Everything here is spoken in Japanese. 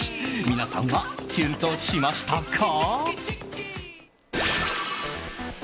皆さんはキュンとしましたか？